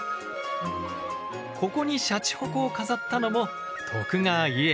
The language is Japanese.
ここにシャチホコを飾ったのも徳川家康。